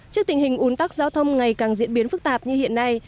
trước tình hình ủn tắc giao thông ngày càng diễn biến phức tạp như hiện nay